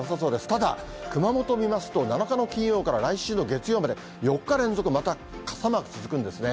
ただ、熊本見ますと、７日の金曜から来週の月曜まで、４日連続、また、傘マーク続くんですね。